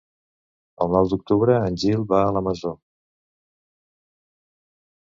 El nou d'octubre en Gil va a la Masó.